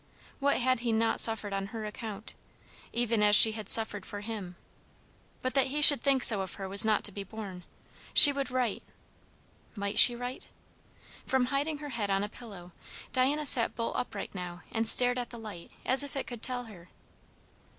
What had he not suffered on her account! even as she had suffered for him. But that he should think so of her was not to be borne; she would write. Might she write? From hiding her head on her pillow, Diana sat bolt upright now and stared at the light as if it could tell her.